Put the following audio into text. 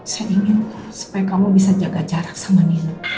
saya ingin supaya kamu bisa jaga jarak sama nina